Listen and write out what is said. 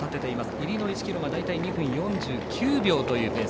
入りの１ｋｍが大体２分４９秒というペース。